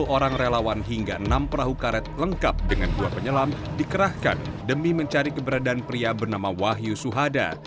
sepuluh orang relawan hingga enam perahu karet lengkap dengan dua penyelam dikerahkan demi mencari keberadaan pria bernama wahyu suhada